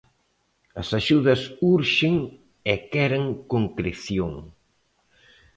As axudas urxen e queren concreción.